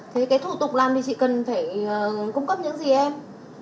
thế cái thủ tục làm thì chị cần phải cung cấp những gì em